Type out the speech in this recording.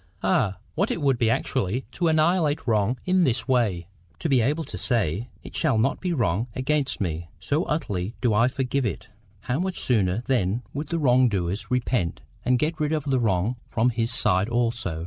Ah, what it would be actually to annihilate wrong in this way!—to be able to say, it shall not be wrong against me, so utterly do I forgive it! How much sooner, then, would the wrong doer repent, and get rid of the wrong from his side also!